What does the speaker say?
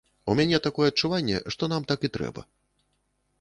У мяне такое адчуванне, што нам так і трэба.